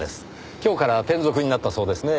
今日から転属になったそうですねぇ。